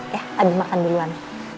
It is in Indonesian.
ya abi makan duluan